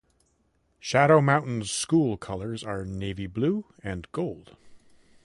Shadow Mountain's school colors are navy blue and gold.